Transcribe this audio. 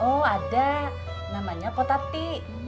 oh ada namanya potati